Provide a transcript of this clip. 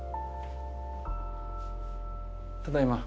ただいま。